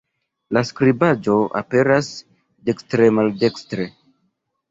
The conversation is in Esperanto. La skribaĵo aperas dekstre-maldestre.